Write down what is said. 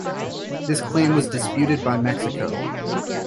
This claim was disputed by Mexico.